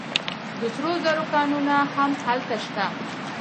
د سرو زرو کانونه هم هلته شته.